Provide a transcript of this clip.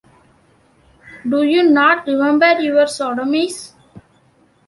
Do you not remember your sodomies?